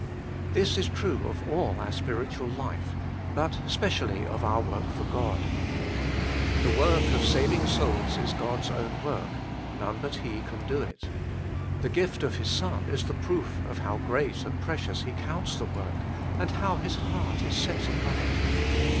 This is true of all our spiritual life, but specially of our work for God. The work of saving souls is God's own work : none but He can do it. The gift of His Son is the proof of how great and precious He counts the work, and how His heart is set upon it.